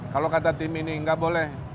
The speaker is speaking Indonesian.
kalau kata tim ini nggak boleh